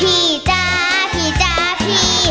พี่จ๊ะพี่จ๊ะพี่